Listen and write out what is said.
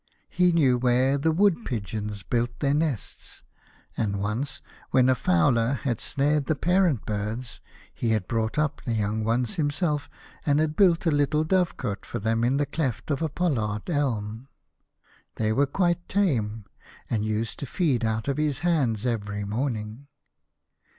He knew where the wood pigeons built their nests, and once when a fowler had snared the parent birds, he had brought up the young ones himself, and had built a little dovecot for them in the cleft of a pollard elm. They were quite tame, and used to feed out ot his hands every morning.